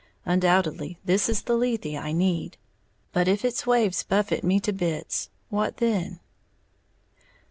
Undoubtedly this is the Lethe I need, but if its waves buffet me to bits, what then?